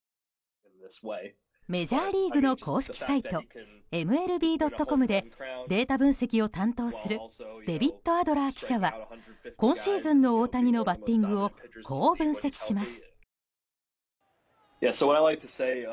メジャーリーグの公式サイトＭＬＢ．ｃｏｍでデータ分析を担当するデビッド・アドラー記者は今シーズンの大谷のバッティングをこう分析します。